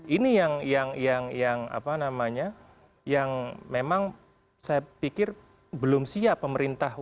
ini yang memang saya pikir belum siap pemerintah